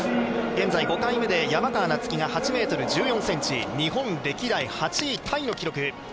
現在、５回目で山川夏輝、８ｍ１４ｃｍで日本歴代８位タイの記録。